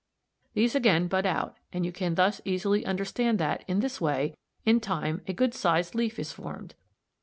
These again bud out, and you can thus easily understand that, in this way, in time a good sized leaf is formed.